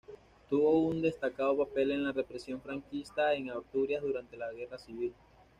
Tuvo un destacado papel en la represión franquista en Asturias durante la Guerra civil.